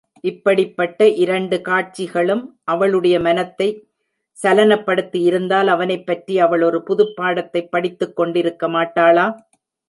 இப்படிப்பட்ட இரண்டு காட்சிகளும் அவளுடைய மனத்தைச் சலனப்படுத்தியிருந்தால், அவனைப் பற்றி அவள் ஒரு புதுப் பாடத்தைப் படித்துக் கொண்டிருக்கமாட்டாளா?